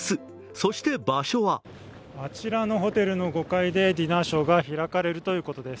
そして場所はあちらのホテルの５階でディナーショーが開かれるということです。